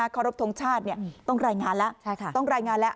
ข้อรบทรงชาติต้องรายงานแล้ว